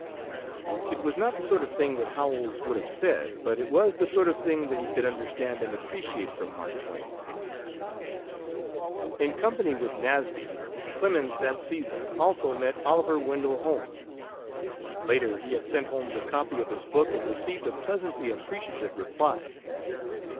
It was not the sort of thing that Howells would have said, but it was the sort of thing that he could understand and appreciate from Mark Twain. In company with Nasby Clemens, that season, also met Oliver Wendell Holmes. Later he had sent Holmes a copy of his book and received a pleasantly appreciative reply.